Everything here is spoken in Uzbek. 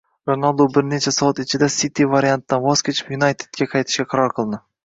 Ronaldu bir necha soat ichida “Siti” variantidan voz kechib, “Yunayted”ga qaytishga qaror qildi